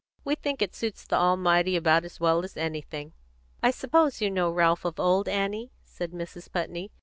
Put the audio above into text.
"We think it suits the Almighty about as well as anything." "I suppose you know Ralph of old, Annie?" said Mrs. Putney.